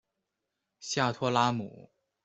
下托拉姆。